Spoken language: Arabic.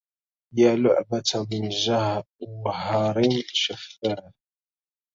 يا لعبة من جوهر شفاف